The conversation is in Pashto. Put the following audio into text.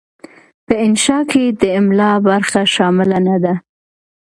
په انشأ کې د املاء برخه شامله نه ده.